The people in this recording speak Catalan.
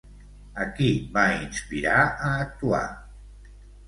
A qui va inspirar a actuar?